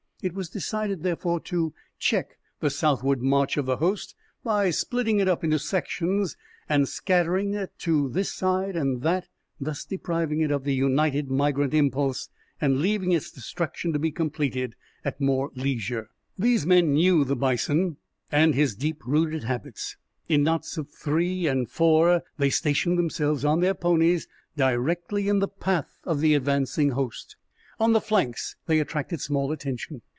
It was decided, therefore, to check the southward march of the host by splitting it up into sections and scattering it to this side and that, thus depriving it of the united migrant impulse, and leaving its destruction to be completed at more leisure. These men knew the bison and his deep rooted habits. In knots of three and four they stationed themselves, on their ponies, directly in the path of the advancing host. On the flanks they attracted small attention.